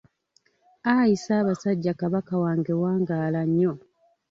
Ayi Ssaabasajja Kabaka wange wangaala nnyo.